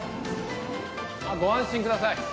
あっご安心ください。